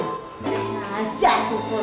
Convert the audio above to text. jangan aja sukun